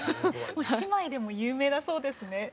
姉妹でも有名だそうですね。